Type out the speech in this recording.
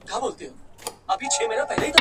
کابل به وي، فرنګ به وي خو اکبر خان به نه وي.